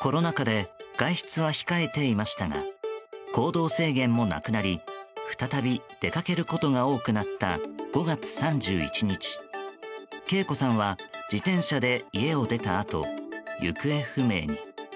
コロナ禍で外出は控えていましたが行動制限もなくなり再び、出かけることが多くなった５月３１日敬子さんは自転車で家を出たあと行方不明に。